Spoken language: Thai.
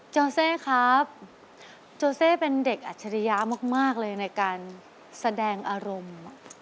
โจเซครับโจเซเป็นเด็กอัจฉริยะมากเลยในการแสดงอารมณ์